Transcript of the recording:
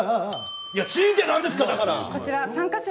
いや、チーンって何ですか。